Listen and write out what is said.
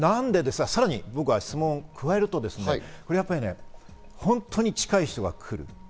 とさらに質問を加えると本当に近い人が来る。